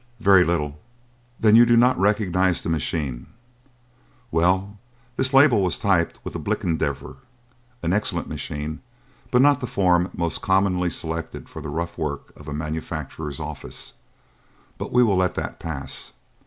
"Very little." "Then you do not recognise the machine? Well, this label was typed with a Blickensderfer an excellent machine, but not the form most commonly selected for the rough work of a manufacturer's office; but we will let that pass.